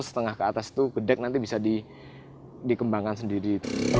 setengah ke atas itu gedek nanti bisa dikembangkan sendiri